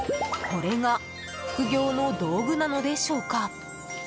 これが副業の道具なのでしょうか？